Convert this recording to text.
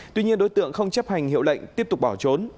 tuy nhiên đối tượng không chấp hành hiệu lệnh tiếp tục bỏ trốn